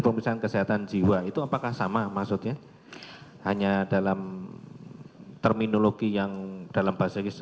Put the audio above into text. pemeriksaan kesehatan jiwa itu apakah sama maksudnya hanya dalam terminologi yang dalam bahasa inggris